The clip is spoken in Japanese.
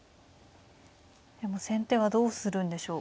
いやもう先手はどうするんでしょう。